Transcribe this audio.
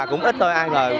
cũng ít thôi ai ngờ